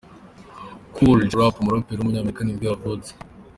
Kool G Rap, umuraperi w’umunyamerika nibwo yavutse.